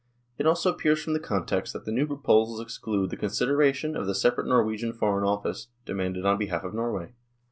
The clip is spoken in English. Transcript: It also ap pears from the context that the new proposals ex clude the consideration of the separate Norwegian Foreign Office, demanded on behalf of Norway.